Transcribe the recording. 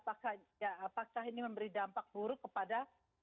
apakah ini memberi dampak buruk kepada